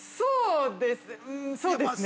◆そうですね。